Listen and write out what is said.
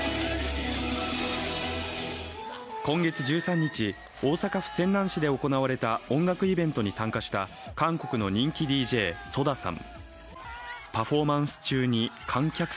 今月１３日、大阪府泉南市で行われた音楽イベントに参加した韓国の人気ＤＪ、ＳＯＤＡさん。